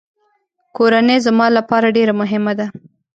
کورنۍ زما لپاره ډېره مهمه ده.